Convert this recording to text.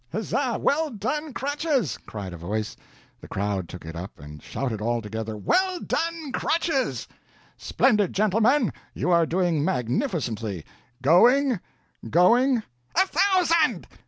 "Huzzah! well done, Crutches!" cried a voice. The crowd took it up, and shouted altogether, "Well done, Crutches!" "Splendid, gentlemen! you are doing magnificently. Going, going " "A thousand!"